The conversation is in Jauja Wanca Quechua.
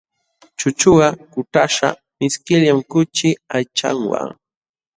Chuchuqa kutaśhqa mishkillam kuchi aychanwa.